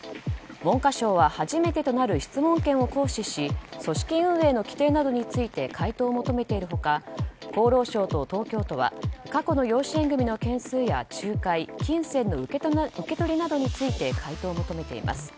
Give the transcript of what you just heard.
文科省は初めてとなる質問権を行使し組織運営の規定などについて回答を求めている他厚労省と東京都は過去の養子縁組の件数や仲介金銭の受け取りなどについて回答を求めています。